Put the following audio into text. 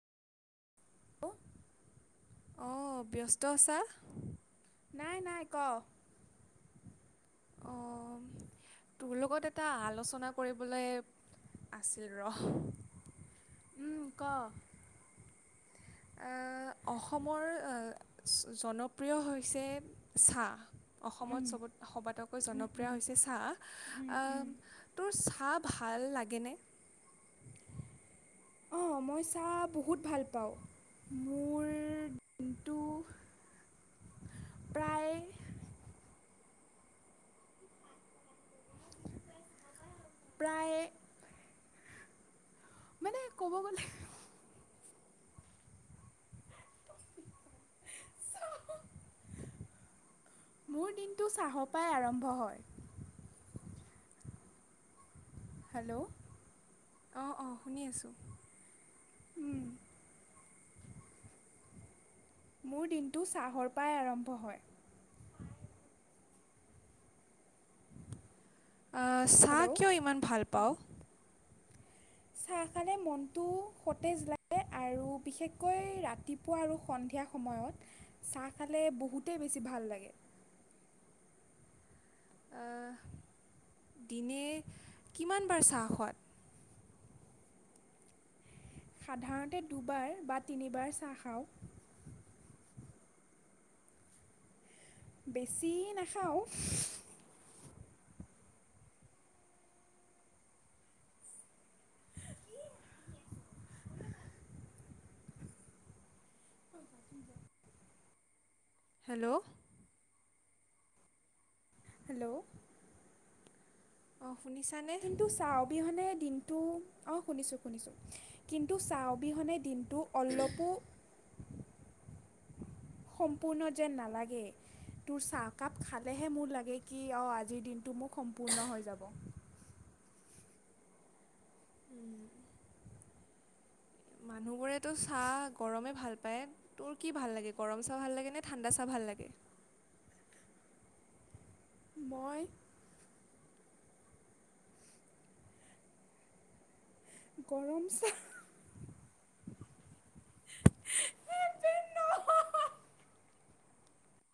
আহ ব্যস্ত আছা। নাই নাই ক। অ তোৰ লগত এটা আলোচনা কৰিবলৈ আছিল ৰ। উম ক। অসমৰ জনপ্ৰিয় হৈছে চাহ। উম অসমত চব সবাতকৈ উম জনপ্ৰিয় উম হৈছে চাহ উম উম আহ তোৰ ভাল লাগেনে? অঁ মই চাহ বহুত ভাল পাওঁ মোৰ দিনটো প্ৰায় প্ৰায় মানে ক'ব গলে মোৰ দিনটো চাহৰ পাই আৰম্ভ হয় হেল্ল' অ অ শুনি আছোঁ মোৰ দিনটো চাহৰ পৰাই আৰম্ভ হয়। চাহ হেল্ল' কিয় ইমান ভাল পাওঁ? চাহ খালে মনটো সতেজ লাগে আৰু বিশেষকৈ ৰাতিপুৱা আৰু সন্ধিয়া সময়ত চাহ খালে বহুতেই বেছি ভাল লাগে। দিনে কিমান বাৰ চাহ খোৱা? সাধাৰণতে দুবাৰ বা তিনিবাৰ চাহ খাওঁ। বেছি নাখাওঁ। [unintelligible] হেল্ল'। হেল্ল'। অঁ শুনিছানে কিন্তু চাহ অবিহনে দিন তো অঁ শুনিছোঁ শুনিছোঁ কিন্তু চাহ অবিহনে দিন তো অলপো সম্পূৰ্ণ যেন নালাগে তোৰ চাহকাপ খালেহে মোৰ লাগে কি অ আজিৰ দিনটো মোক সম্পূৰ্ণ হৈ যাব। উম। মানুহবোৰেতো চাহ গৰমে ভাল পায় তোৰ কি ভাল লাগে গৰম চাহ ভাল লাগে নে ঠাণ্ডা চাহ ভাল লাগে। মই গৰম চাহ